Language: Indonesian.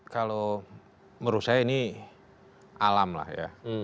kalau menurut saya ini alam lah ya